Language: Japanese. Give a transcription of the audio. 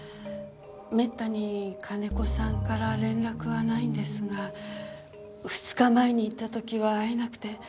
めったに金子さんから連絡はないんですが２日前に行った時は会えなくて。